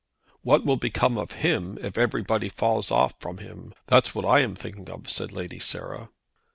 "What will become of him if everybody falls off from him. That's what I am thinking of," said Lady Sarah.